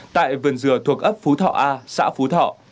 tại vườn dừa thuộc ấp phú thọ a xã phú thọ